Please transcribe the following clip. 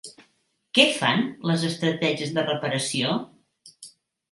Què fan les estratègies de reparació?